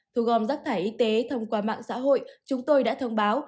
thu gom rác thải y tế thông qua mạng xã hội chúng tôi đã thông báo